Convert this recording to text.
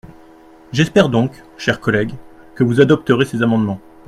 J’espère donc, chers collègues, que vous adopterez ces amendements.